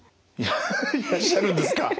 いらっしゃるんですか。